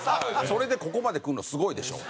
それでここまで来るのすごいでしょ？